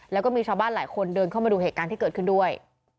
แล้วก็มีชาวบ้านหลายคนเดินเข้ามาดูเหตุการณ์ที่เกิดขึ้นด้วย